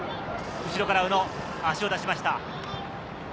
後ろから宇野、足を出しました。